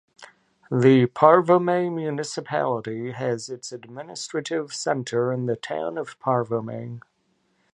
The Parvomay Municipality has its administrative centre in the town of Parvomay.